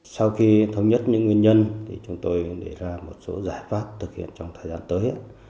sau khi thống nhất những nguyên nhân chúng tôi đề ra một số giải pháp thực hiện trong thời gian tới